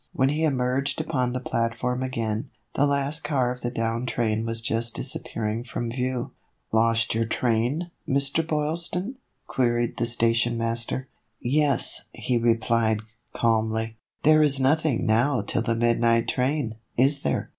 When he emerged upon the platform again, the last car of the down train was just disappearing from view. " Lost your train, Mr. Boylston ?" queried the station master. 142 THE EVOLUTION OF A BONNET. "Yes," he replied, calmly. "There is nothing now till the midnight train, is there